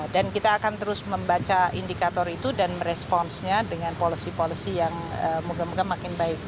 dan kita akan terus membaca indikator itu dan responnya dengan polisi polisi yang moga moga makin baik